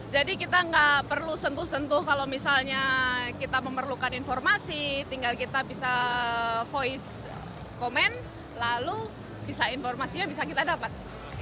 jadi kita nggak perlu sentuh sentuh kalau misalnya kita memerlukan informasi tinggal kita bisa voice comment lalu informasinya bisa kita dapat